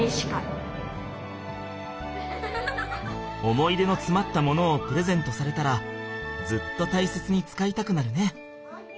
思い出のつまったものをプレゼントされたらずっと大切に使いたくなるね。